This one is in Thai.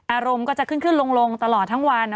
อารมณ์ก็จะขึ้นขึ้นลงตลอดทั้งวัน